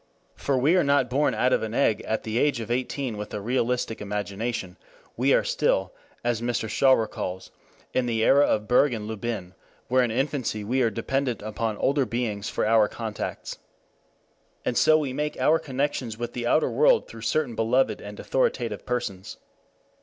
For we are not born out of an egg at the age of eighteen with a realistic imagination; we are still, as Mr. Shaw recalls, in the era of Burge and Lubin, where in infancy we are dependent upon older beings for our contacts. And so we make our connections with the outer world through certain beloved and authoritative persons.